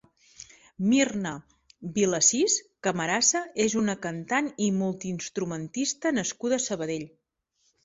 Mirna Vilasís Camarasa és una cantant i multiinstrumentista nascuda a Sabadell.